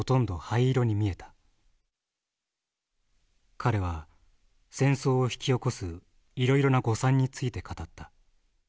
彼は戦争を引き起こすいろいろな誤算について語った。